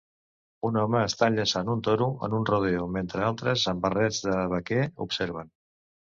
Un home està enllaçant un toro en un "rodeo" mentre altres amb barrets de vaquer observen.